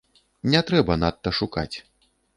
Не трэба надта шукаць.